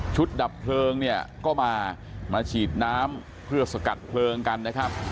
ดับเพลิงเนี่ยก็มามาฉีดน้ำเพื่อสกัดเพลิงกันนะครับ